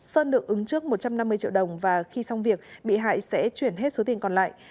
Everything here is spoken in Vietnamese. sơn được ứng trước một trăm năm mươi triệu đồng và khi xong việc bị hại sẽ chuyển hết số tiền còn lại